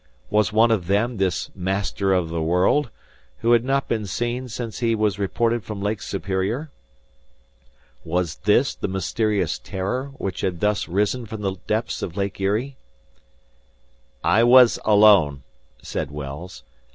Was one of them this Master of the World, who had not been seen since he was reported from Lake Superior? Was this the mysterious "Terror" which had thus risen from the depths of Lake Erie? "I was alone," said Wells.